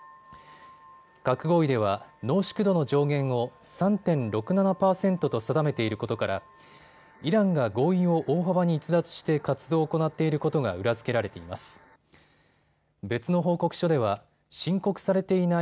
核合意では濃縮度の上限を３．６７％と定めていることからイランが合意を大幅に逸脱して活動を行っていることが裏付けられています。